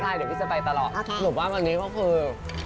ใช่เดี๋ยวพี่จะไปตลอดสรุปว่าวันนี้ก็คือ